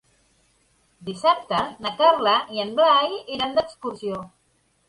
Dissabte na Carla i en Blai iran d'excursió.